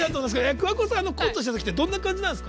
桑子さんとコントした時ってどんな感じなんですか？